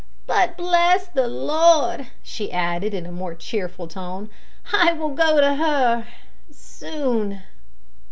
"But, bless the Lord!" she added in a more cheerful tone, "I will go to her soon."